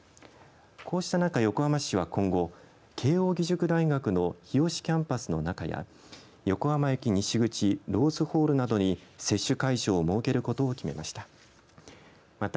こうした中、横浜市は今後慶應義塾大学の日吉キャンパスの中や横浜駅西口ローズホールなどに接種会場を設けることを決めました。